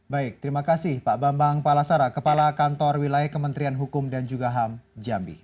baik terima kasih pak bambang palasara kepala kantor wilayah kementerian hukum dan juga ham jambi